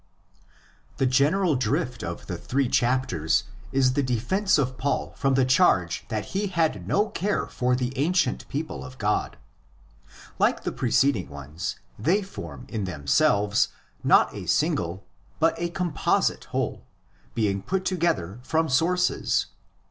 The general drift of the three chapters is the defence of Paul from the charge that he had no care for the ancient people of God. Like the preceding ones, they form in themselves not a single but a composite whole, being put together from sources.